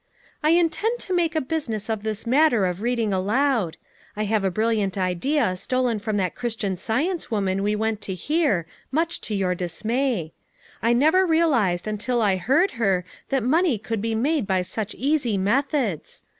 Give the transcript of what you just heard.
"I intend to make a business of this matter of reading aloud. I have a brilliant idea stolen from that Christian Science woman we went to hear, much to your dismay. I never realized until I heard her that money could be made by such easy methods.